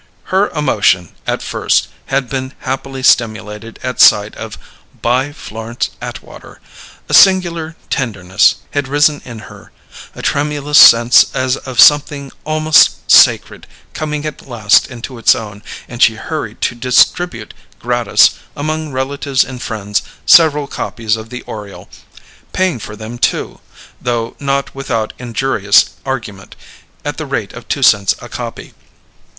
Her emotion, at first, had been happily stimulated at sight of "BY Florence Atwater." A singular tenderness had risen in her a tremulous sense as of something almost sacred coming at last into its own; and she hurried to distribute, gratis, among relatives and friends, several copies of the Oriole, paying for them, too (though not without injurious argument), at the rate of two cents a copy.